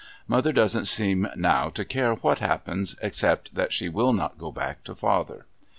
Mother doesn't seem now to care what happens, except that she will not go back to father.